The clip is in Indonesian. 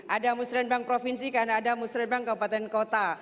ada musrembang provinsi karena ada musrembang kabupaten kota